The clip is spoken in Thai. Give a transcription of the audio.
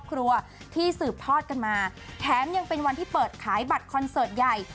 ครัวที่สืบทอดกันมาแถมยังเป็นวันที่เปิดขายบัตรคอนเสิร์ตใหญ่